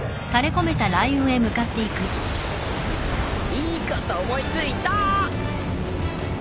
いいこと思い付いた！